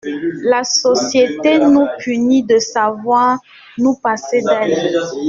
La société nous punit de savoir nous passer d’elle !